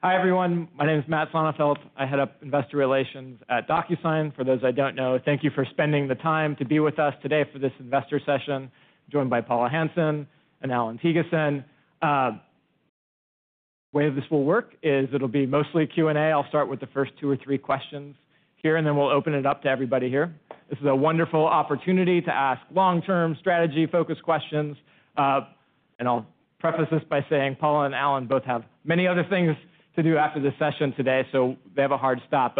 Hi, everyone. My name is Matt Sonefeldt. I head up investor relations at DocuSign. For those I don't know, thank you for spending the time to be with us today for this investor session, joined by Paula Hansen and Allan Thygesen. The way this will work is it'll be mostly Q&A. I'll start with the first two or three questions here, and then we'll open it up to everybody here. This is a wonderful opportunity to ask long-term strategy-focused questions. I preface this by saying Paula and Allan both have many other things to do after this session today, so they have a hard stop.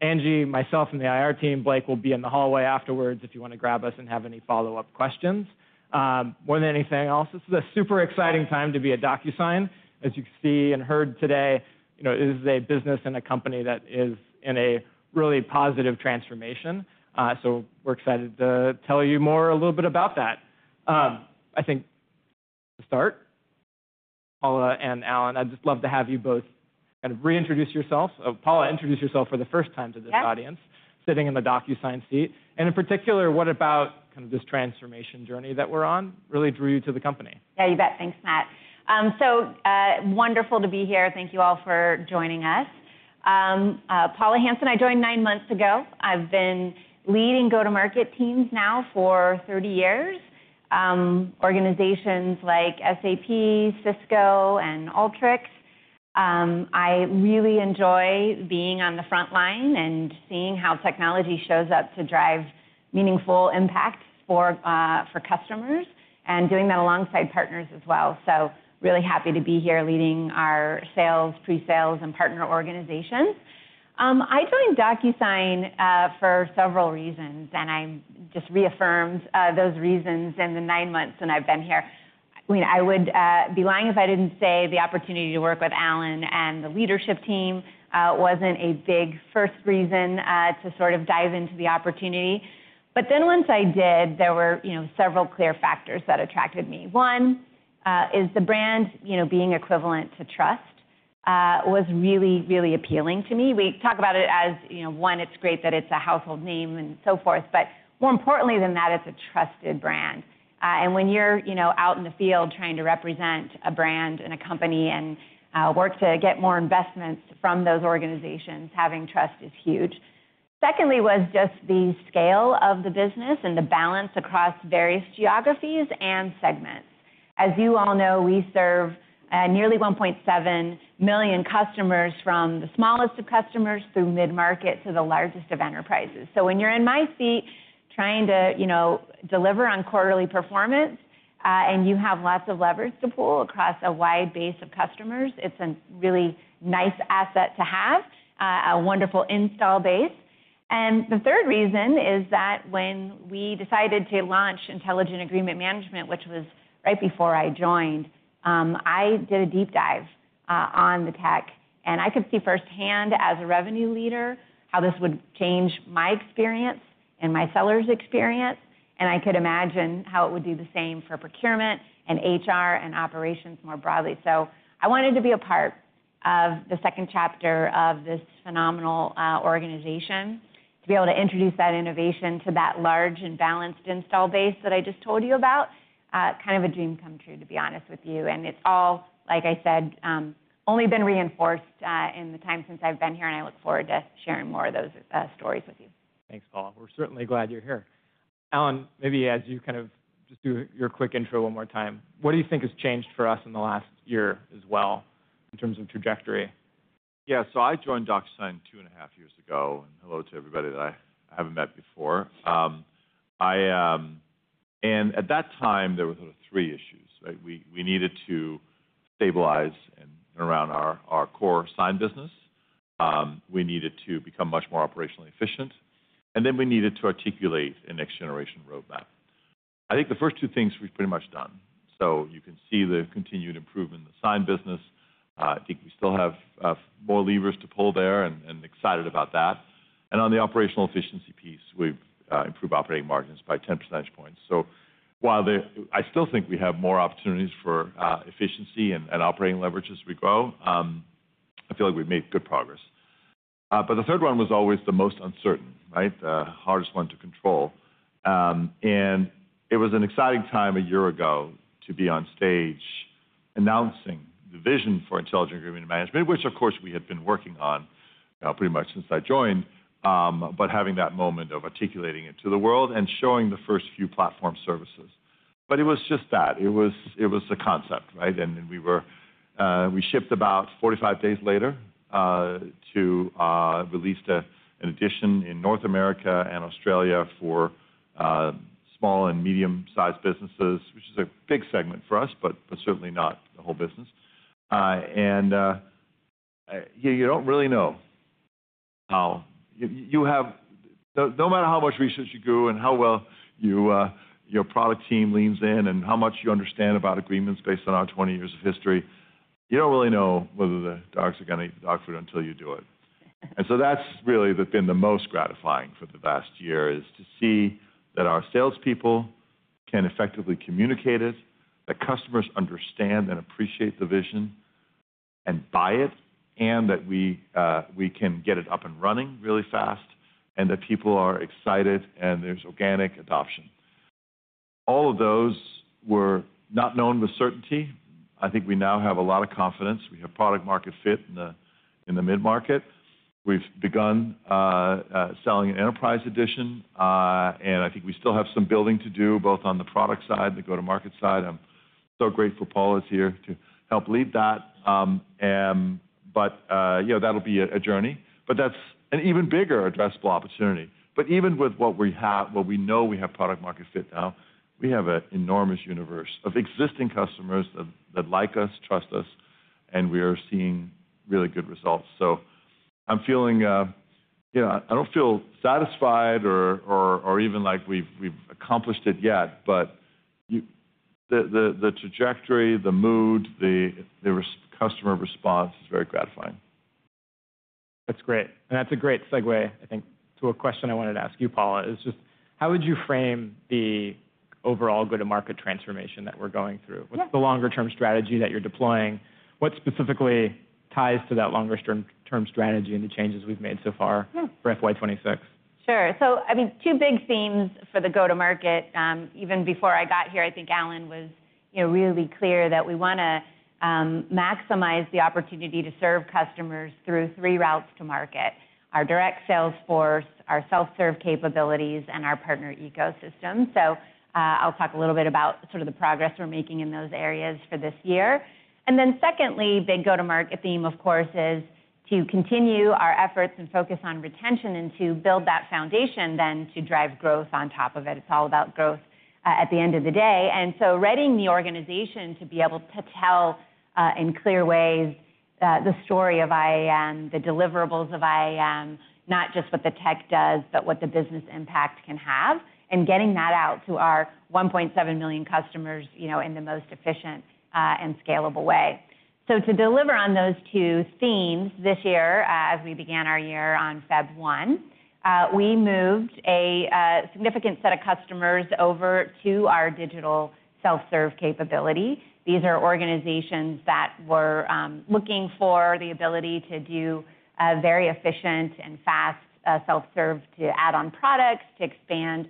Angie, myself, and the IR team, Blake will be in the hallway afterwards if you want to grab us and have any follow-up questions. More than anything else, this is a super exciting time to be at DocuSign. As you can see and heard today, this is a business and a company that is in a really positive transformation. We are excited to tell you more a little bit about that. I think to start, Paula and Allan, I'd just love to have you both kind of reintroduce yourselves. Paula, introduce yourself for the first time to this audience, sitting in the DocuSign seat. In particular, what about kind of this transformation journey that we are on really drew you to the company? Yeah, you bet. Thanks, Matt. So wonderful to be here. Thank you all for joining us. Paula Hansen, I joined nine months ago. I've been leading go-to-market teams now for 30 years, organizations like SAP, Cisco, and Alteryx. I really enjoy being on the front line and seeing how technology shows up to drive meaningful impact for customers and doing that alongside partners as well. So really happy to be here leading our sales, pre-sales, and partner organizations. I joined DocuSign for several reasons, and I just reaffirmed those reasons in the nine months that I've been here. I would be lying if I didn't say the opportunity to work with Allan and the leadership team wasn't a big first reason to sort of dive into the opportunity. But then once I did, there were several clear factors that attracted me. One is the brand being equivalent to trust was really, really appealing to me. We talk about it as, one, it's great that it's a household name and so forth, but more importantly than that, it's a trusted brand. When you're out in the field trying to represent a brand and a company and work to get more investments from those organizations, having trust is huge. Secondly was just the scale of the business and the balance across various geographies and segments. As you all know, we serve nearly 1.7 million customers, from the smallest of customers through mid-market to the largest of enterprises. When you're in my seat trying to deliver on quarterly performance and you have lots of levers to pull across a wide base of customers, it's a really nice asset to have, a wonderful install base. The third reason is that when we decided to launch Intelligent Agreement Management, which was right before I joined, I did a deep dive on the tech. I could see firsthand, as a revenue leader, how this would change my experience and my seller's experience. I could imagine how it would do the same for procurement and HR and operations more broadly. I wanted to be a part of the second chapter of this phenomenal organization to be able to introduce that innovation to that large and balanced install base that I just told you about, kind of a dream come true, to be honest with you. It has all, like I said, only been reinforced in the time since I've been here, and I look forward to sharing more of those stories with you. Thanks, Paula. We're certainly glad you're here. Allan, maybe as you kind of just do your quick intro one more time, what do you think has changed for us in the last year as well in terms of trajectory? Yeah, so I joined DocuSign two and a half years ago. Hello to everybody that I haven't met before. At that time, there were sort of three issues. We needed to stabilize and turn around our core sign business. We needed to become much more operationally efficient. We needed to articulate a next-generation roadmap. I think the first two things we've pretty much done. You can see the continued improvement in the sign business. I think we still have more levers to pull there and excited about that. On the operational efficiency piece, we've improved operating margins by 10 percentage points. While I still think we have more opportunities for efficiency and operating leverage as we grow, I feel like we've made good progress. The third one was always the most uncertain, the hardest one to control. It was an exciting time a year ago to be on stage announcing the vision for Intelligent Agreement Management, which, of course, we had been working on pretty much since I joined, but having that moment of articulating it to the world and showing the first few platform services. It was just that. It was a concept. We shipped about 45 days later to release an edition in North America and Australia for small and medium-sized businesses, which is a big segment for us, but certainly not the whole business. You do not really know, no matter how much research you do and how well your product team leans in and how much you understand about agreements based on our 20 years of history, you do not really know whether the dogs are going to eat the dog food until you do it. That's really been the most gratifying for the last year, to see that our salespeople can effectively communicate it, that customers understand and appreciate the vision and buy it, and that we can get it up and running really fast, and that people are excited, and there's organic adoption. All of those were not known with certainty. I think we now have a lot of confidence. We have product-market fit in the mid-market. We've begun selling an enterprise edition. I think we still have some building to do both on the product side and the go-to-market side. I'm so grateful Paula is here to help lead that. That'll be a journey. That's an even bigger addressable opportunity. Even with what we know we have product-market fit now, we have an enormous universe of existing customers that like us, trust us, and we are seeing really good results. I do not feel satisfied or even like we have accomplished it yet, but the trajectory, the mood, the customer response is very gratifying. That's great. That's a great segue, I think, to a question I wanted to ask you, Paula, is just how would you frame the overall go-to-market transformation that we're going through? What's the longer-term strategy that you're deploying? What specifically ties to that longer-term strategy and the changes we've made so far for FY26? Sure. I mean, two big themes for the go-to-market, even before I got here, I think Allan was really clear that we want to maximize the opportunity to serve customers through three routes to market: our direct sales force, our self-serve capabilities, and our partner ecosystem. I'll talk a little bit about sort of the progress we're making in those areas for this year. Secondly, the go-to-market theme, of course, is to continue our efforts and focus on retention and to build that foundation then to drive growth on top of it. It's all about growth at the end of the day. Readying the organization to be able to tell in clear ways the story of IAM, the deliverables of IAM, not just what the tech does, but what the business impact can have, and getting that out to our 1.7 million customers in the most efficient and scalable way. To deliver on those two themes this year, as we began our year on February 1, we moved a significant set of customers over to our digital self-serve capability. These are organizations that were looking for the ability to do very efficient and fast self-serve to add on products, to expand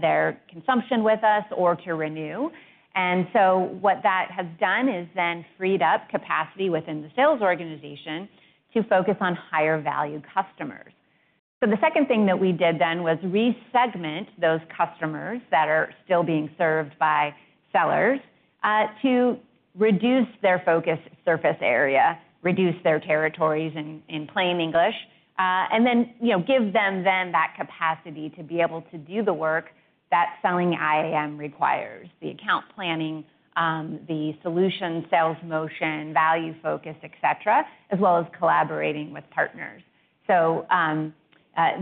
their consumption with us, or to renew. What that has done is then freed up capacity within the sales organization to focus on higher-value customers. The second thing that we did then was resegment those customers that are still being served by sellers to reduce their focus surface area, reduce their territories in plain English, and then give them that capacity to be able to do the work that selling IAM requires: the account planning, the solution sales motion, value focus, et cetera, as well as collaborating with partners.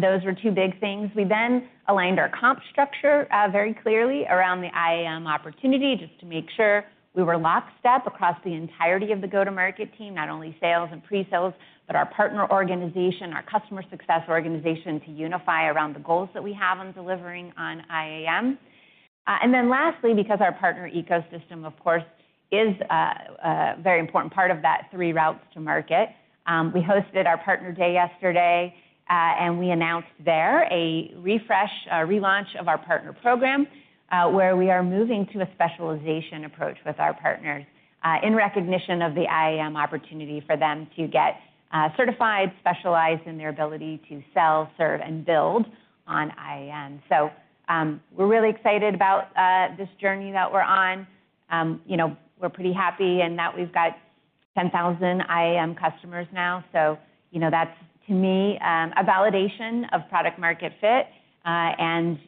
Those were two big things. We then aligned our comp structure very clearly around the IAM opportunity just to make sure we were lockstep across the entirety of the go-to-market team, not only sales and pre-sales, but our partner organization, our customer success organization to unify around the goals that we have on delivering on IAM. Lastly, because our partner ecosystem, of course, is a very important part of that three routes to market, we hosted our partner day yesterday, and we announced there a refresh, a relaunch of our partner program where we are moving to a specialization approach with our partners in recognition of the IAM opportunity for them to get certified, specialized in their ability to sell, serve, and build on IAM. We are really excited about this journey that we are on. We are pretty happy in that we have got 10,000 IAM customers now. That is, to me, a validation of product-market fit and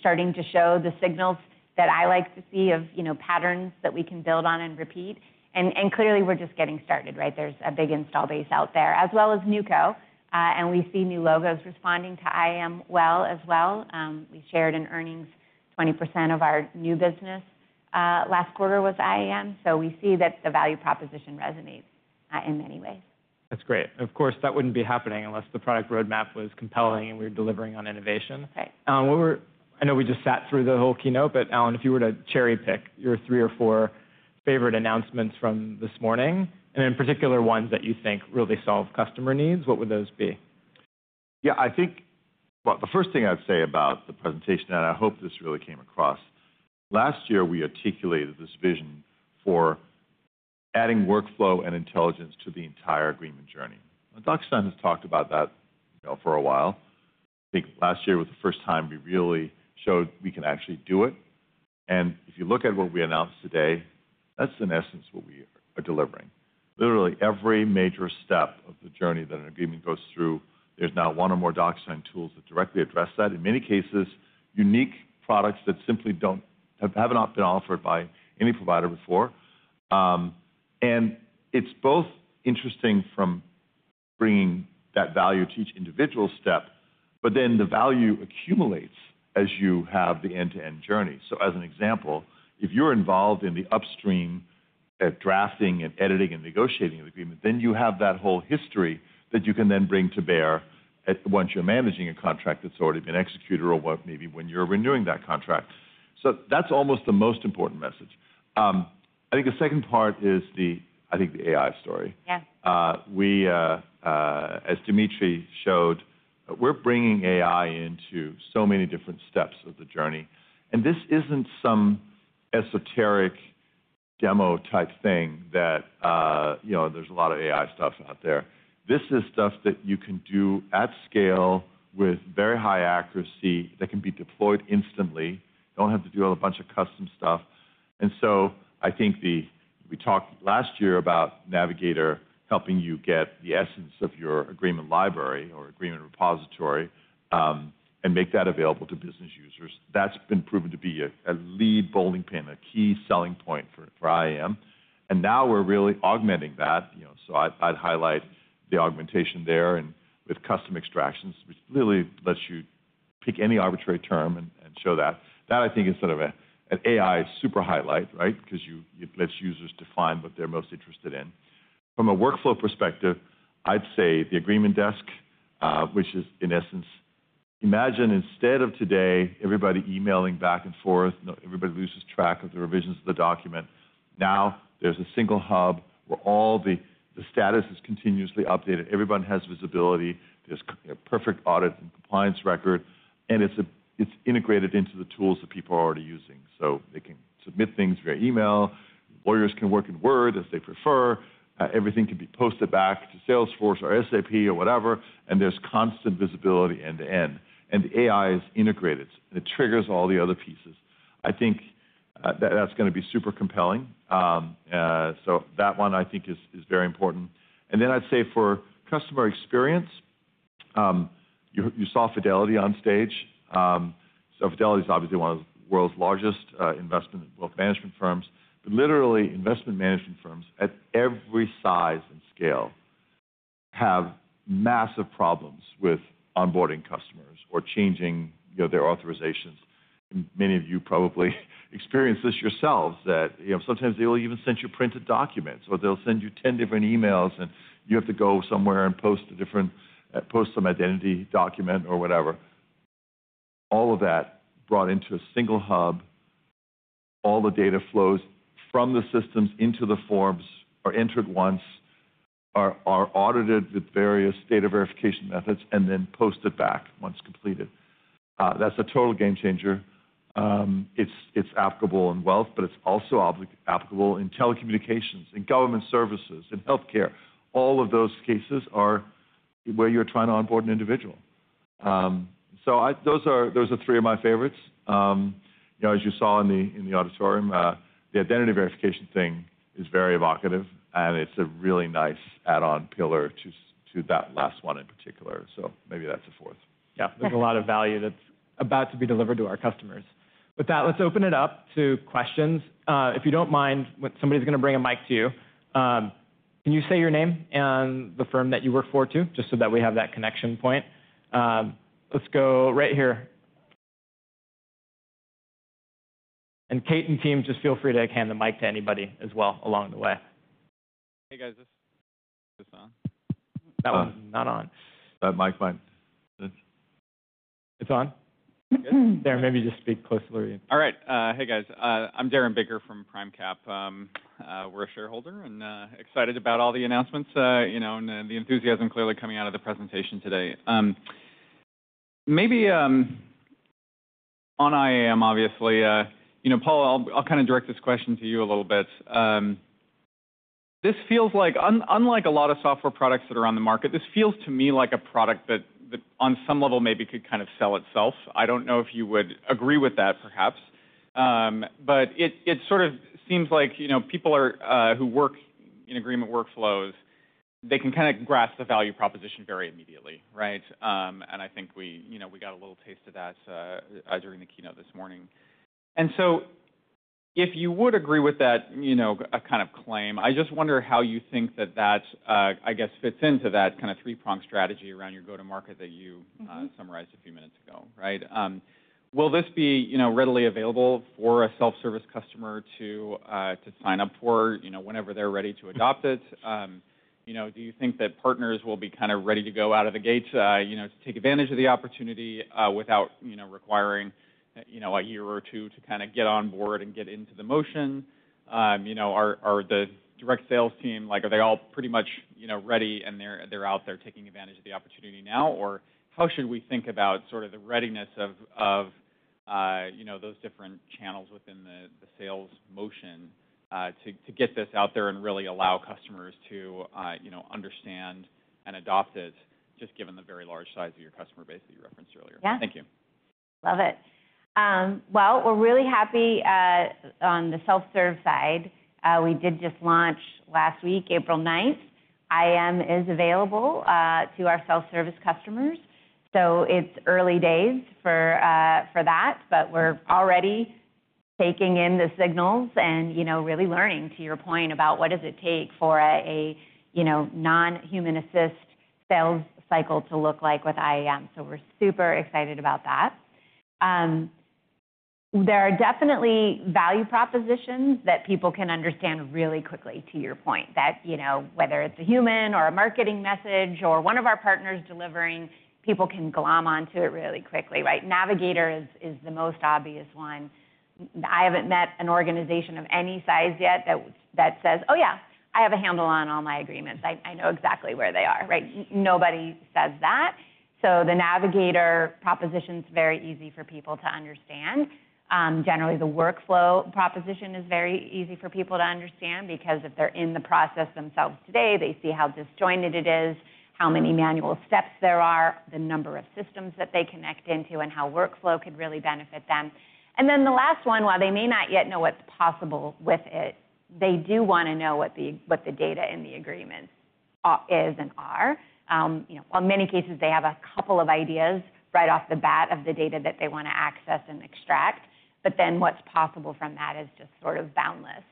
starting to show the signals that I like to see of patterns that we can build on and repeat. Clearly, we are just getting started. There is a big install base out there, as well as NewCo. We see new logos responding to IAM well as well. We shared in earnings 20% of our new business last quarter with IAM. We see that the value proposition resonates in many ways. That's great. Of course, that wouldn't be happening unless the product roadmap was compelling and we were delivering on innovation. I know we just sat through the whole keynote, but Allan, if you were to cherry-pick your three or four favorite announcements from this morning, and in particular ones that you think really solve customer needs, what would those be? Yeah, I think the first thing I'd say about the presentation, and I hope this really came across, last year, we articulated this vision for adding workflow and intelligence to the entire agreement journey. DocuSign has talked about that for a while. I think last year was the first time we really showed we can actually do it. If you look at what we announced today, that's in essence what we are delivering. Literally, every major step of the journey that an agreement goes through, there's not one or more DocuSign tools that directly address that, in many cases, unique products that simply haven't been offered by any provider before. It's both interesting from bringing that value to each individual step, but then the value accumulates as you have the end-to-end journey. As an example, if you're involved in the upstream drafting and editing and negotiating of the agreement, then you have that whole history that you can then bring to bear once you're managing a contract that's already been executed or maybe when you're renewing that contract. That's almost the most important message. I think the second part is the, I think, the AI story. As Dmitri showed, we're bringing AI into so many different steps of the journey. This isn't some esoteric demo type thing that there's a lot of AI stuff out there. This is stuff that you can do at scale with very high accuracy that can be deployed instantly. You don't have to do a bunch of custom stuff. I think we talked last year about Navigator helping you get the essence of your agreement library or agreement repository and make that available to business users. That's been proven to be a lead bowling pin, a key selling point for IAM. Now we're really augmenting that. I'd highlight the augmentation there and with custom extractions, which literally lets you pick any arbitrary term and show that. That, I think, is sort of an AI super highlight because it lets users define what they're most interested in. From a workflow perspective, I'd say the Agreement Desk, which is in essence, imagine instead of today, everybody emailing back and forth, everybody loses track of the revisions of the document. Now there's a single hub where all the status is continuously updated. Everyone has visibility. There's a perfect audit and compliance record. It's integrated into the tools that people are already using. They can submit things via email. Lawyers can work in Word as they prefer. Everything can be posted back to Salesforce or SAP or whatever. There's constant visibility end to end. The AI is integrated. It triggers all the other pieces. I think that's going to be super compelling. That one, I think, is very important. I'd say for customer experience, you saw Fidelity on stage. Fidelity is obviously one of the world's largest investment management firms. Literally, investment management firms at every size and scale have massive problems with onboarding customers or changing their authorizations. Many of you probably experienced this yourselves that sometimes they'll even send you printed documents or they'll send you 10 different emails, and you have to go somewhere and post some identity document or whatever. All of that brought into a single hub. All the data flows from the systems into the forms, are entered once, are audited with various data verification methods, and then posted back once completed. That's a total game changer. It's applicable in wealth, but it's also applicable in telecommunications, in government services, in healthcare. All of those cases are where you're trying to onboard an individual. Those are three of my favorites. As you saw in the auditorium, the identity verification thing is very evocative, and it's a really nice add-on pillar to that last one in particular. Maybe that's a fourth. Yeah, there's a lot of value that's about to be delivered to our customers. With that, let's open it up to questions. If you don't mind, somebody's going to bring a mic to you. Can you say your name and the firm that you work for too, just so that we have that connection point? Let's go right here. Kate and team, just feel free to hand the mic to anybody as well along the way. Hey, guys. Is this on? That one's not on. That mic's fine. It's on? Yeah. There, maybe just speak closely. All right. Hey, guys. I'm Darren Baker from PRIMECAP. We're a shareholder and excited about all the announcements and the enthusiasm clearly coming out of the presentation today. Maybe on IAM, obviously. Paula, I'll kind of direct this question to you a little bit. This feels like, unlike a lot of software products that are on the market, this feels to me like a product that on some level maybe could kind of sell itself. I don't know if you would agree with that, perhaps. It sort of seems like people who work in agreement workflows, they can kind of grasp the value proposition very immediately. I think we got a little taste of that during the keynote this morning. If you would agree with that kind of claim, I just wonder how you think that that, I guess, fits into that kind of three-prong strategy around your go-to-market that you summarized a few minutes ago. Will this be readily available for a self-service customer to sign up for whenever they're ready to adopt it? Do you think that partners will be kind of ready to go out of the gate to take advantage of the opportunity without requiring a year or two to kind of get on board and get into the motion? Are the direct sales team, are they all pretty much ready and they're out there taking advantage of the opportunity now? How should we think about sort of the readiness of those different channels within the sales motion to get this out there and really allow customers to understand and adopt it, just given the very large size of your customer base that you referenced earlier? Yeah. Love it. We are really happy on the self-serve side. We did just launch last week, April 9th. IAM is available to our self-service customers. It is early days for that, but we are already taking in the signals and really learning, to your point, about what does it take for a non-human assist sales cycle to look like with IAM. We are super excited about that. There are definitely value propositions that people can understand really quickly, to your point, that whether it is a human or a marketing message or one of our partners delivering, people can glom onto it really quickly. Navigator is the most obvious one. I have not met an organization of any size yet that says, "Oh, yeah, I have a handle on all my agreements. I know exactly where they are." Nobody says that. The Navigator proposition is very easy for people to understand. Generally, the workflow proposition is very easy for people to understand because if they're in the process themselves today, they see how disjointed it is, how many manual steps there are, the number of systems that they connect into, and how workflow could really benefit them. The last one, while they may not yet know what's possible with it, they do want to know what the data in the agreement is and are. In many cases, they have a couple of ideas right off the bat of the data that they want to access and extract. What is possible from that is just sort of boundless.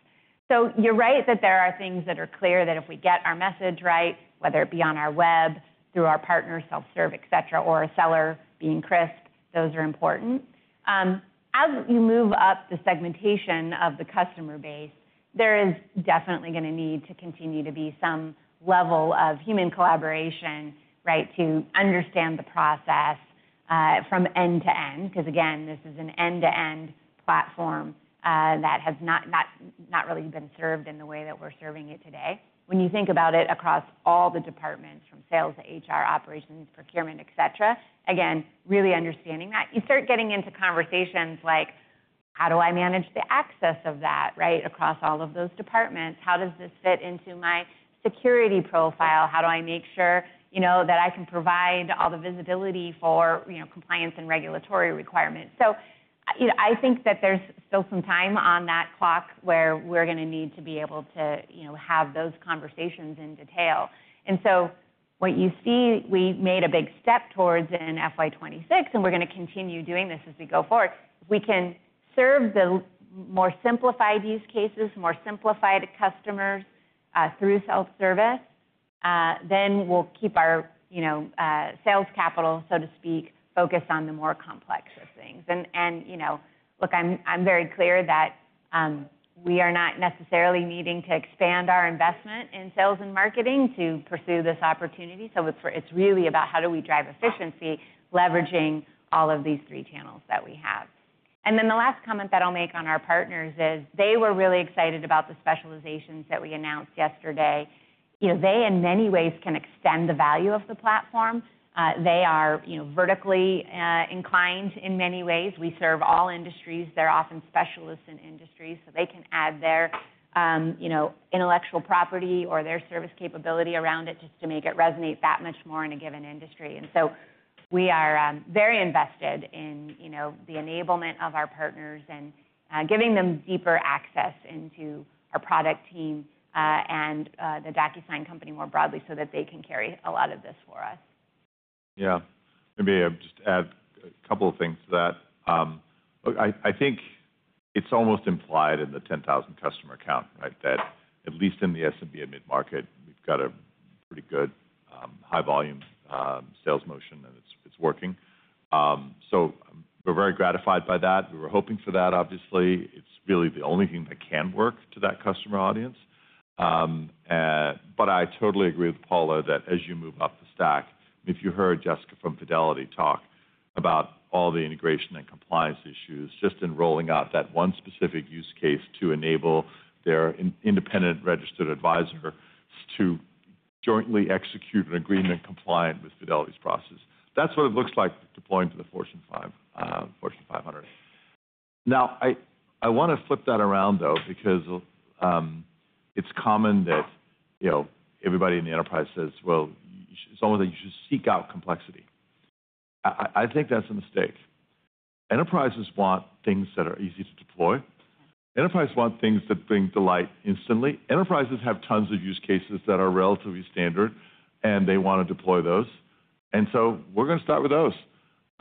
You are right that there are things that are clear that if we get our message right, whether it be on our web, through our partner, self-serve, et cetera, or a seller being Crisp, those are important. As you move up the segmentation of the customer base, there is definitely going to need to continue to be some level of human collaboration to understand the process from end to end because, again, this is an end-to-end platform that has not really been served in the way that we're serving it today. When you think about it across all the departments, from sales to HR, operations, procurement, et cetera, again, really understanding that, you start getting into conversations like, "How do I manage the access of that across all of those departments? How does this fit into my security profile? How do I make sure that I can provide all the visibility for compliance and regulatory requirements?" I think that there's still some time on that clock where we're going to need to be able to have those conversations in detail. What you see, we made a big step towards in FY26, and we're going to continue doing this as we go forward. If we can serve the more simplified use cases, more simplified customers through self-service, then we'll keep our sales capital, so to speak, focused on the more complex of things. I am very clear that we are not necessarily needing to expand our investment in sales and marketing to pursue this opportunity. It is really about how do we drive efficiency leveraging all of these three channels that we have. The last comment that I'll make on our partners is they were really excited about the specializations that we announced yesterday. They, in many ways, can extend the value of the platform. They are vertically inclined in many ways. We serve all industries. They're often specialists in industries. They can add their intellectual property or their service capability around it just to make it resonate that much more in a given industry. We are very invested in the enablement of our partners and giving them deeper access into our product team and the DocuSign company more broadly so that they can carry a lot of this for us. Yeah. Maybe I'll just add a couple of things to that. I think it's almost implied in the 10,000 customer count that at least in the SMB and mid-market, we've got a pretty good high-volume sales motion, and it's working. We are very gratified by that. We were hoping for that, obviously. It's really the only thing that can work to that customer audience. I totally agree with Paula that as you move up the stack, if you heard Jessica from Fidelity talk about all the integration and compliance issues, just in rolling out that one specific use case to enable their independent registered advisor to jointly execute an agreement compliant with Fidelity's process, that's what it looks like deploying to the Fortune 500. Now, I want to flip that around, though, because it's common that everybody in the enterprise says, "Well, it's almost like you should seek out complexity." I think that's a mistake. Enterprises want things that are easy to deploy. Enterprises want things that bring delight instantly. Enterprises have tons of use cases that are relatively standard, and they want to deploy those. We're going to start with those.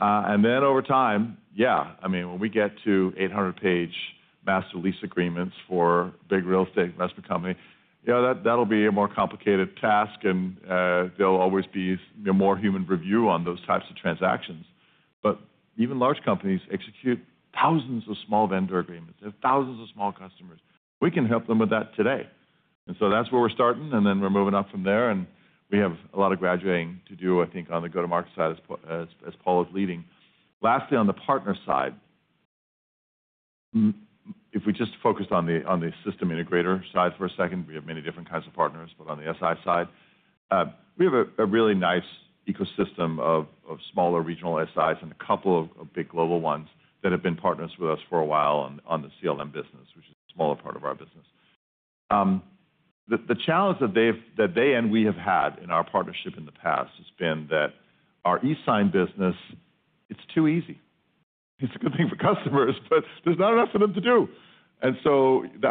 Over time, yeah, I mean, when we get to 800-page master lease agreements for big real estate investment companies, that'll be a more complicated task, and there'll always be more human review on those types of transactions. Even large companies execute thousands of small vendor agreements. They have thousands of small customers. We can help them with that today. That's where we're starting, and then we're moving up from there. We have a lot of graduating to do, I think, on the go-to-market side as Paula's leading. Lastly, on the partner side, if we just focused on the system integrator side for a second, we have many different kinds of partners. On the SI side, we have a really nice ecosystem of smaller regional SIs and a couple of big global ones that have been partners with us for a while on the CLM business, which is a smaller part of our business. The challenge that they and we have had in our partnership in the past has been that our e-sign business, it's too easy. It's a good thing for customers, but there's not enough for them to do. That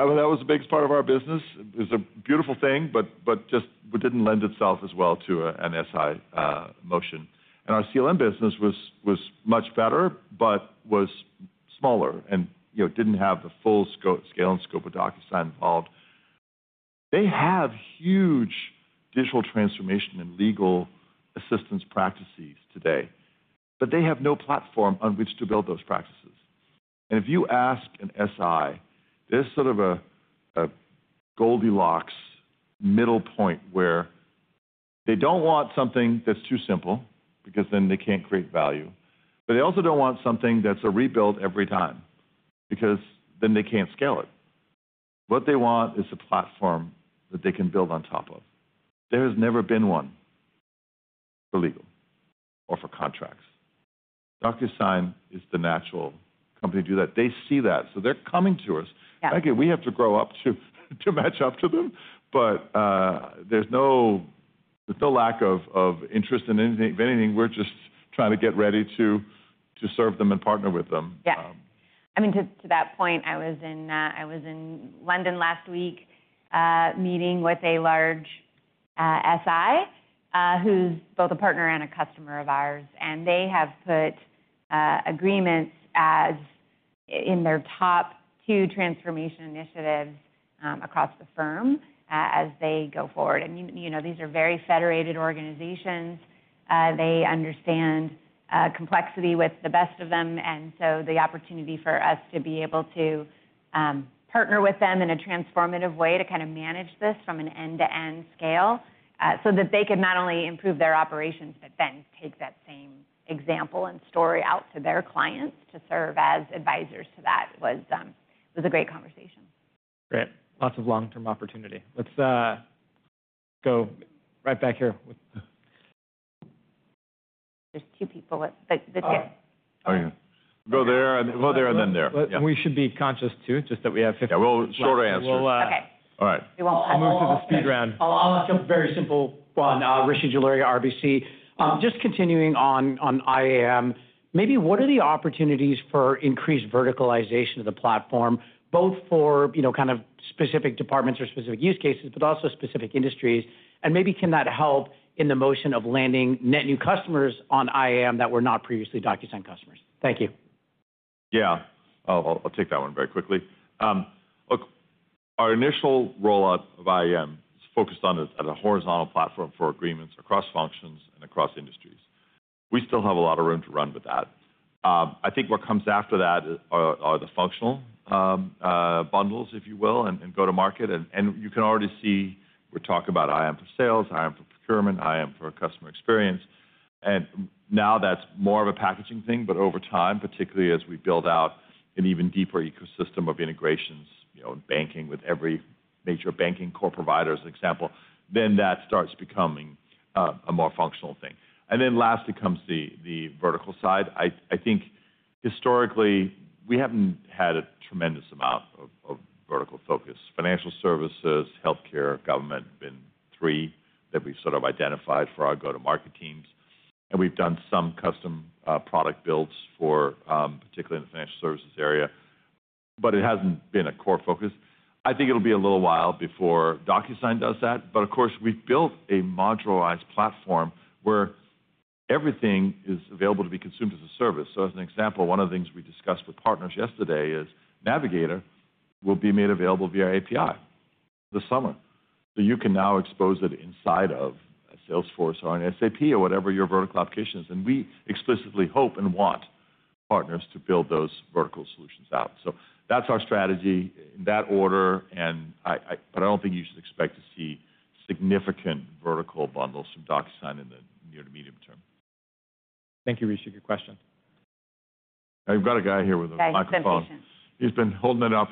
was a big part of our business. It was a beautiful thing, but just did not lend itself as well to an SI motion. Our CLM business was much better, but was smaller and did not have the full scale and scope of DocuSign involved. They have huge digital transformation and legal assistance practices today, but they have no platform on which to build those practices. If you ask an SI, there is sort of a Goldilocks middle point where they do not want something that is too simple because then they cannot create value. They also do not want something that is a rebuild every time because then they cannot scale it. What they want is a platform that they can build on top of. There has never been one for legal or for contracts. DocuSign is the natural company to do that. They see that. They are coming to us. We have to grow up to match up to them. There is no lack of interest in anything. We're just trying to get ready to serve them and partner with them. Yeah. I mean, to that point, I was in London last week meeting with a large SI who's both a partner and a customer of ours. They have put agreements as in their top two transformation initiatives across the firm as they go forward. These are very federated organizations. They understand complexity with the best of them. The opportunity for us to be able to partner with them in a transformative way to kind of manage this from an end-to-end scale so that they can not only improve their operations, but then take that same example and story out to their clients to serve as advisors to that was a great conversation. Great. Lots of long-term opportunity. Let's go right back here. There are two people. Oh, yeah. Go there and then there. We should be conscious too, just that we have 15. Yeah. Short answer. Okay. All right. We won't cut long. We'll move to the speed round. I'll have a very simple one, Rishi Jaluria, RBC. Just continuing on IAM, maybe what are the opportunities for increased verticalization of the platform, both for kind of specific departments or specific use cases, but also specific industries? Maybe can that help in the motion of landing net new customers on IAM that were not previously DocuSign customers? Thank you. Yeah. I'll take that one very quickly. Look, our initial rollout of IAM is focused on a horizontal platform for agreements across functions and across industries. We still have a lot of room to run with that. I think what comes after that are the functional bundles, if you will, and go-to-market. You can already see we're talking about IAM for sales, IAM for procurement, IAM for customer experience. Now that's more of a packaging thing. Over time, particularly as we build out an even deeper ecosystem of integrations in banking with every major banking core provider as an example, that starts becoming a more functional thing. Lastly comes the vertical side. I think historically, we haven't had a tremendous amount of vertical focus. Financial services, healthcare, government have been three that we've sort of identified for our go-to-market teams. We have done some custom product builds, particularly in the financial services area, but it has not been a core focus. I think it will be a little while before DocuSign does that. Of course, we have built a modularized platform where everything is available to be consumed as a service. For example, one of the things we discussed with partners yesterday is Navigator will be made available via API this summer. You can now expose it inside of Salesforce or an SAP or whatever your vertical application is. We explicitly hope and want partners to build those vertical solutions out. That is our strategy in that order. I do not think you should expect to see significant vertical bundles from DocuSign in the near to medium term. Thank you, Rishi. Good question. I've got a guy here with a microphone. Nice. I'm sensational. He's been holding it up.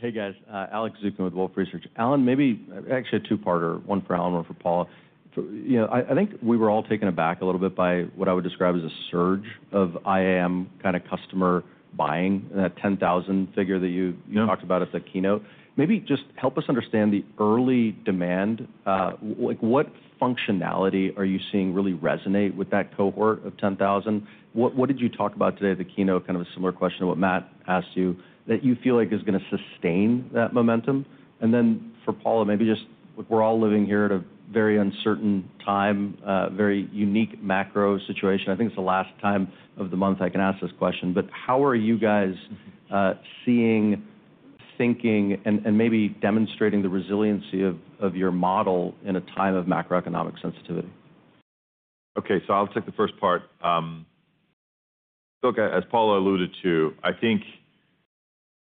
Hey, guys. Alex Zukin with Wolfe Research. Allan, maybe actually a two-parter, one for Allan, one for Paula. I think we were all taken aback a little bit by what I would describe as a surge of IAM kind of customer buying, that 10,000 figure that you talked about at the keynote. Maybe just help us understand the early demand. What functionality are you seeing really resonate with that cohort of 10,000? What did you talk about today at the keynote? Kind of a similar question to what Matt asked you that you feel like is going to sustain that momentum. For Paula, maybe just we're all living here at a very uncertain time, very unique macro situation. I think it's the last time of the month I can ask this question. How are you guys seeing, thinking, and maybe demonstrating the resiliency of your model in a time of macroeconomic sensitivity? Okay. I'll take the first part. Look, as Paula alluded to, I think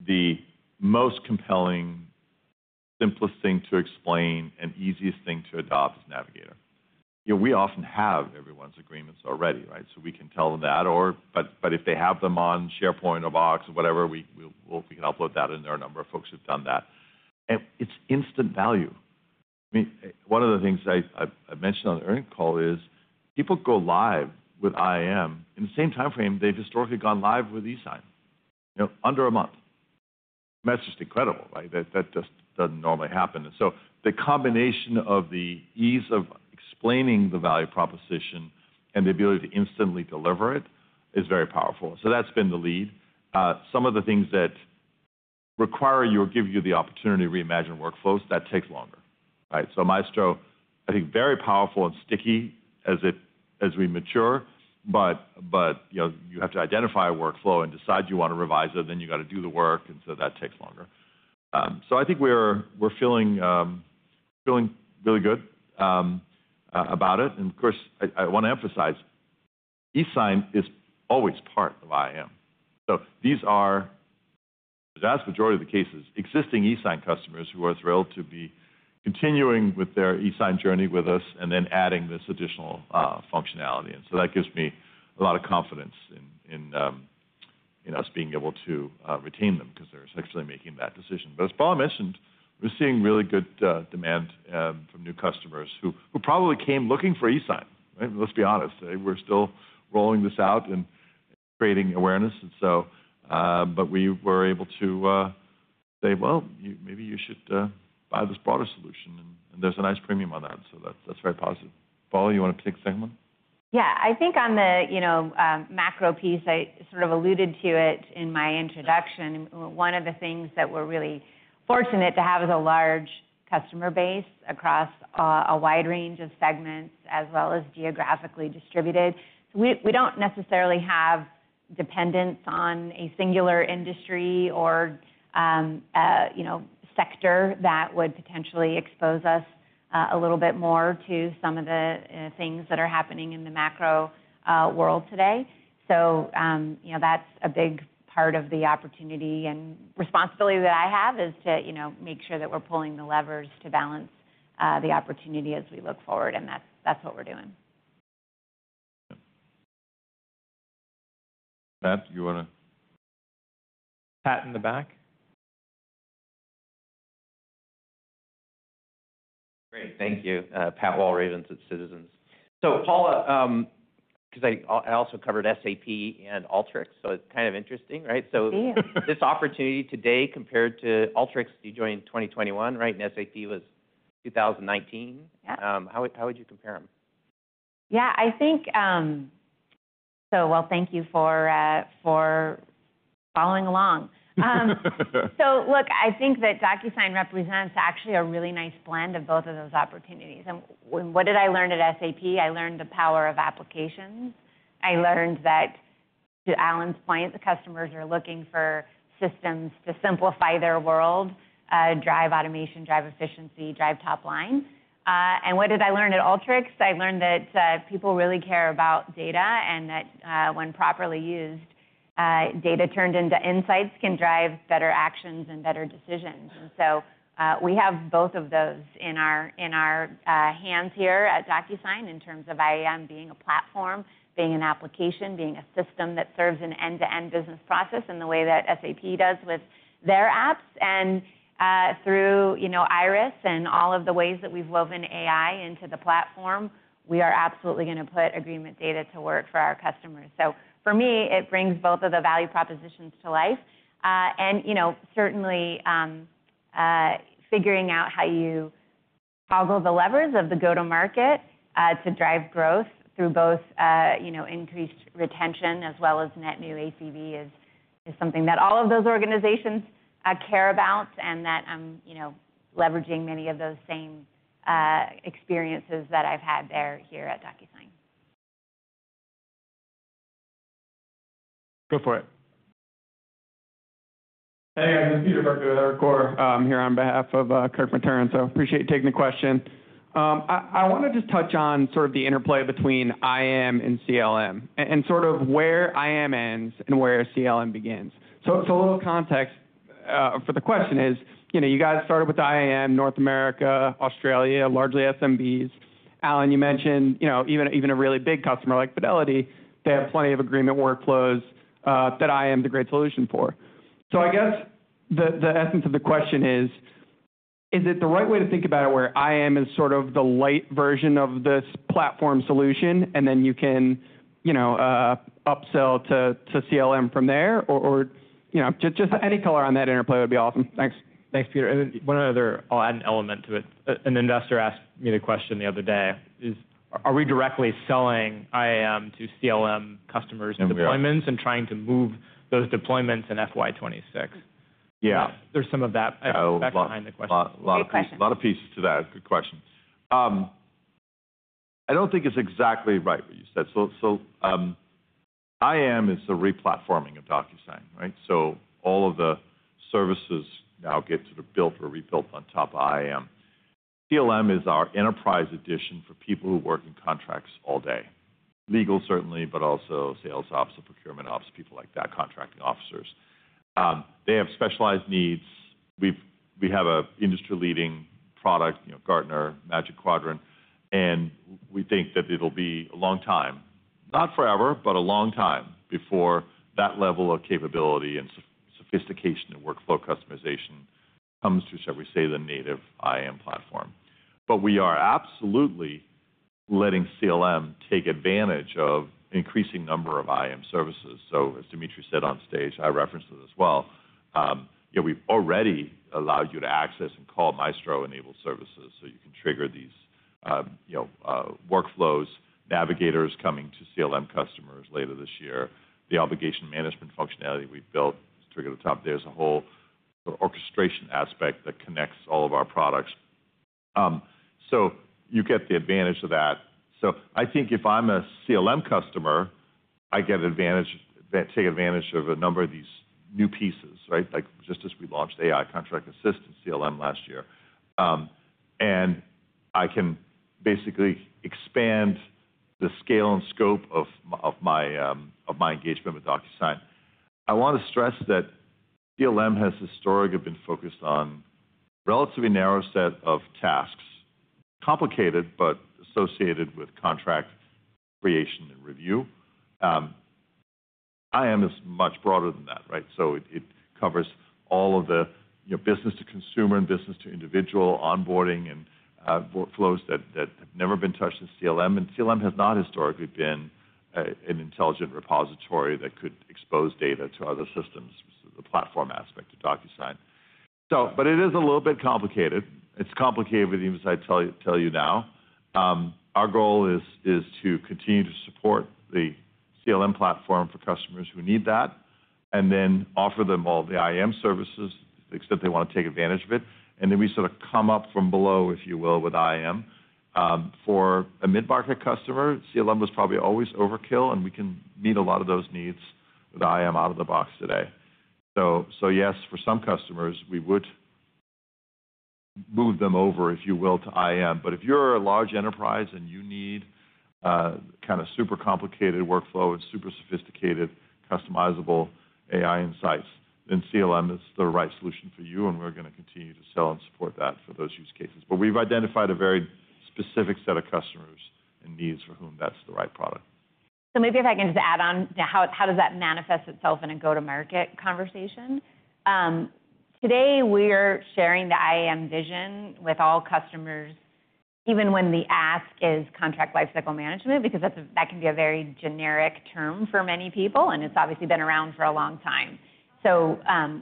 the most compelling, simplest thing to explain, and easiest thing to adopt is Navigator. We often have everyone's agreements already, right? We can tell them that. If they have them on SharePoint or Box or whatever, we can upload that in there. A number of folks have done that. It's instant value. I mean, one of the things I mentioned on the earnings call is people go live with IAM in the same time frame they've historically gone live with e-sign, under a month. That's just incredible, right? That just doesn't normally happen. The combination of the ease of explaining the value proposition and the ability to instantly deliver it is very powerful. That's been the lead. Some of the things that require you or give you the opportunity to reimagine workflows, that takes longer, right? Maestro, I think, is very powerful and sticky as we mature. You have to identify a workflow and decide you want to revise it, then you have to do the work. That takes longer. I think we're feeling really good about it. I want to emphasize e-sign is always part of IAM. These are, in the vast majority of the cases, existing e-sign customers who are thrilled to be continuing with their e-sign journey with us and then adding this additional functionality. That gives me a lot of confidence in us being able to retain them because they're actually making that decision. As Paula mentioned, we're seeing really good demand from new customers who probably came looking for e-sign. Let's be honest. We're still rolling this out and creating awareness. We were able to say, "Well, maybe you should buy this broader solution, and there's a nice premium on that." That's very positive. Paula, you want to take the second one? Yeah. I think on the macro piece, I sort of alluded to it in my introduction. One of the things that we're really fortunate to have is a large customer base across a wide range of segments as well as geographically distributed. We don't necessarily have dependence on a singular industry or sector that would potentially expose us a little bit more to some of the things that are happening in the macro world today. That is a big part of the opportunity and responsibility that I have is to make sure that we're pulling the levers to balance the opportunity as we look forward. That's what we're doing. Yeah. Matt, you want to? Pat in the back. Great. Thank you. Pat Walravens at Citizens. Paula, because I also covered SAP and Alteryx, it's kind of interesting, right? This opportunity today compared to Alteryx that you joined in 2021, right? And SAP was 2019. How would you compare them? Yeah. Thank you for following along. Look, I think that DocuSign represents actually a really nice blend of both of those opportunities. What did I learn at SAP? I learned the power of applications. I learned that, to Allan's point, the customers are looking for systems to simplify their world, drive automation, drive efficiency, drive top line. What did I learn at Alteryx? I learned that people really care about data and that when properly used, data turned into insights can drive better actions and better decisions. We have both of those in our hands here at DocuSign in terms of IAM being a platform, being an application, being a system that serves an end-to-end business process in the way that SAP does with their apps. Through IRIS and all of the ways that we've woven AI into the platform, we are absolutely going to put agreement data to work for our customers. For me, it brings both of the value propositions to life. Certainly figuring out how you toggle the levers of the go-to-market to drive growth through both increased retention as well as net new ACV is something that all of those organizations care about and that I'm leveraging many of those same experiences that I've had there here at DocuSign. Go for it. Hey, guys. It's Peter from Evercore here on behalf of Kirk Materne. I appreciate taking the question. I want to just touch on sort of the interplay between IAM and CLM and sort of where IAM ends and where CLM begins. A little context for the question is you guys started with IAM, North America, Australia, largely SMBs. Allan, you mentioned even a really big customer like Fidelity, they have plenty of agreement workflows that IAM is a great solution for. I guess the essence of the question is, is it the right way to think about it where IAM is sort of the light version of this platform solution and then you can upsell to CLM from there? Any color on that interplay would be awesome. Thanks. Thanks, Peter. One other, I'll add an element to it. An investor asked me the question the other day, is, are we directly selling IAM to CLM customers' deployments and trying to move those deployments in FY26? There's some of that back behind the question. A lot of pieces to that. Good question. I don't think it's exactly right what you said. IAM is the replatforming of DocuSign, right? All of the services now get sort of built or rebuilt on top of IAM. CLM is our enterprise edition for people who work in contracts all day. Legal, certainly, but also sales ops, procurement ops, people like that, contracting officers. They have specialized needs. We have an industry-leading product, Gartner, Magic Quadrant. We think that it'll be a long time, not forever, but a long time before that level of capability and sophistication and workflow customization comes to, shall we say, the native IAM platform. We are absolutely letting CLM take advantage of an increasing number of IAM services. As Dmitri said on stage, I referenced it as well. We've already allowed you to access and call Maestro-enabled services so you can trigger these workflows, Navigator is coming to CLM customers later this year. The obligation management functionality we've built is triggered at the top. There's a whole orchestration aspect that connects all of our products. You get the advantage of that. I think if I'm a CLM customer, I take advantage of a number of these new pieces, right? Like just as we launched AI Contract Assistant CLM last year. I can basically expand the scale and scope of my engagement with DocuSign. I want to stress that CLM has historically been focused on a relatively narrow set of tasks, complicated, but associated with contract creation and review. IAM is much broader than that, right? It covers all of the business to consumer and business to individual onboarding and workflows that have never been touched in CLM. CLM has not historically been an intelligent repository that could expose data to other systems, the platform aspect of DocuSign. It is a little bit complicated. It's complicated with the inside tell you now. Our goal is to continue to support the CLM platform for customers who need that and then offer them all the IAM services except they want to take advantage of it. We sort of come up from below, if you will, with IAM. For a mid-market customer, CLM was probably always overkill, and we can meet a lot of those needs with IAM out of the box today. Yes, for some customers, we would move them over, if you will, to IAM. If you're a large enterprise and you need kind of super complicated workflow and super sophisticated customizable AI insights, then CLM is the right solution for you. We're going to continue to sell and support that for those use cases. We've identified a very specific set of customers and needs for whom that's the right product. Maybe if I can just add on to how does that manifest itself in a go-to-market conversation. Today, we're sharing the IAM vision with all customers, even when the ask is contract lifecycle management, because that can be a very generic term for many people, and it's obviously been around for a long time.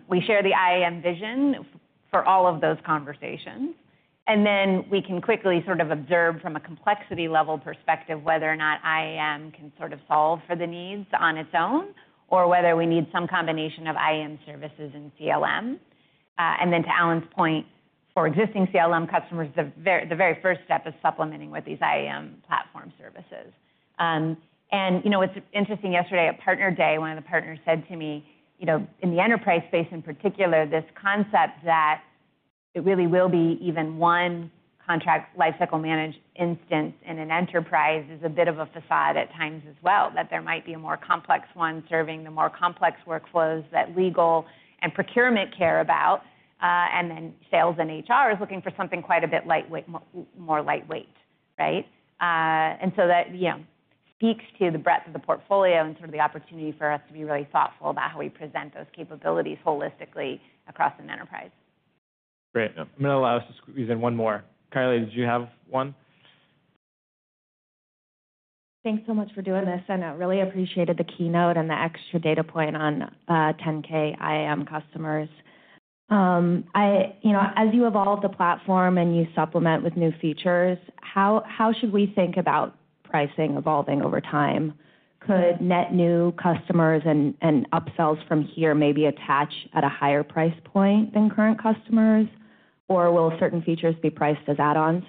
We share the IAM vision for all of those conversations. We can quickly sort of observe from a complexity-level perspective whether or not IAM can sort of solve for the needs on its own or whether we need some combination of IAM services and CLM. To Allan's point, for existing CLM customers, the very first step is supplementing with these IAM platform services. It's interesting, yesterday at Partner Day, one of the partners said to me, in the enterprise space in particular, this concept that it really will be even one contract lifecycle managed instance in an enterprise is a bit of a facade at times as well, that there might be a more complex one serving the more complex workflows that legal and procurement care about. Then sales and HR is looking for something quite a bit more lightweight, right? That speaks to the breadth of the portfolio and sort of the opportunity for us to be really thoughtful about how we present those capabilities holistically across an enterprise. Great. I'm going to allow us to squeeze in one more. Kylie, did you have one? Thanks so much for doing this. I really appreciated the keynote and the extra data point on 10,000 IAM customers. As you evolve the platform and you supplement with new features, how should we think about pricing evolving over time? Could net new customers and upsells from here maybe attach at a higher price point than current customers, or will certain features be priced as add-ons?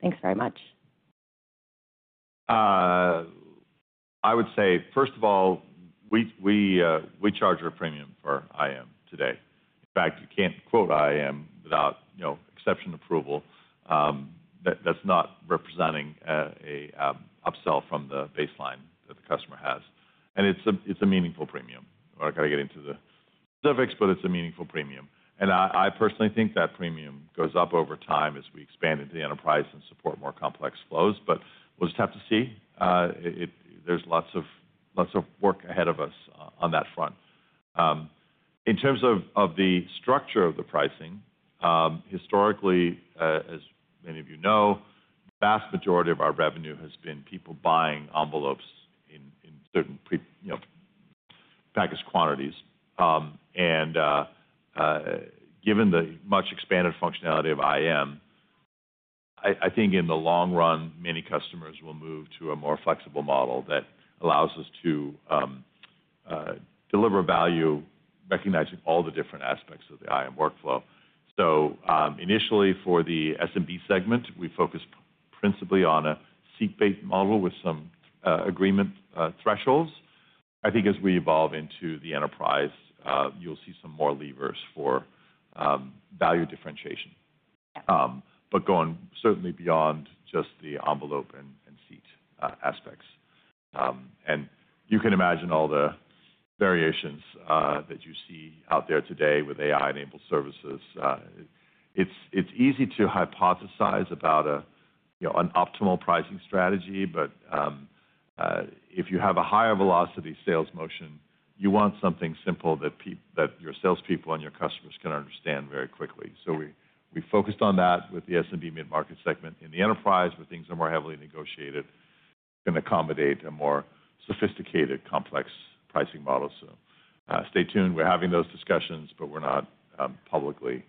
Thanks very much. I would say, first of all, we charge a premium for IAM today. In fact, you can't quote IAM without exception approval. That's not representing an upsell from the baseline that the customer has. And it's a meaningful premium. I got to get into the specifics, but it's a meaningful premium. I personally think that premium goes up over time as we expand into the enterprise and support more complex flows. We will just have to see. There's lots of work ahead of us on that front. In terms of the structure of the pricing, historically, as many of you know, the vast majority of our revenue has been people buying envelopes in certain package quantities. Given the much expanded functionality of IAM, I think in the long run, many customers will move to a more flexible model that allows us to deliver value, recognizing all the different aspects of the IAM workflow. Initially, for the SMB segment, we focused principally on a seat-based model with some agreement thresholds. I think as we evolve into the enterprise, you'll see some more levers for value differentiation, certainly going beyond just the envelope and seat aspects. You can imagine all the variations that you see out there today with AI-enabled services. It's easy to hypothesize about an optimal pricing strategy, but if you have a higher velocity sales motion, you want something simple that your salespeople and your customers can understand very quickly. We focused on that with the SMB mid-market segment. In the enterprise, where things are more heavily negotiated, we can accommodate a more sophisticated, complex pricing model. Stay tuned. We're having those discussions, but we're not publicly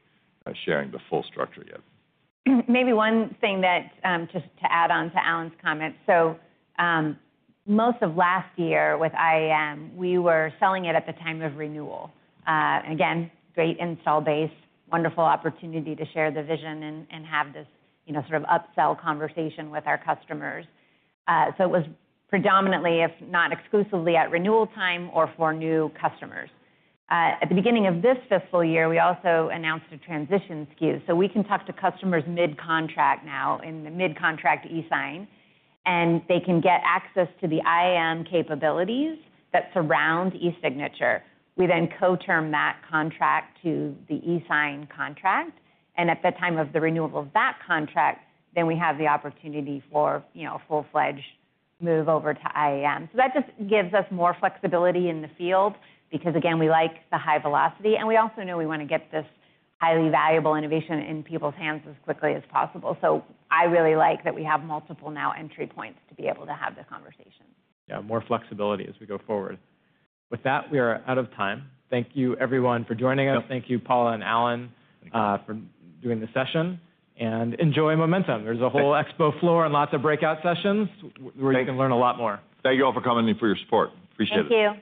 sharing the full structure yet. Maybe one thing just to add on to Allan's comment. Most of last year with IAM, we were selling it at the time of renewal. Again, great install base, wonderful opportunity to share the vision and have this sort of upsell conversation with our customers. It was predominantly, if not exclusively, at renewal time or for new customers. At the beginning of this fiscal year, we also announced a transition SKU. We can talk to customers mid-contract now in the mid-contract e-sign, and they can get access to the IAM capabilities that surround e-signature. We then co-term that contract to the e-sign contract. At the time of the renewal of that contract, we have the opportunity for a full-fledged move over to IAM. That just gives us more flexibility in the field because, again, we like the high velocity. We also know we want to get this highly valuable innovation in people's hands as quickly as possible. I really like that we have multiple now entry points to be able to have the conversation. Yeah, more flexibility as we go forward. With that, we are out of time. Thank you, everyone, for joining us. Thank you, Paula and Allan, for doing the session. Enjoy Momentum. There is a whole expo floor and lots of breakout sessions where you can learn a lot more. Thank you all for coming and for your support. Appreciate it. Thank you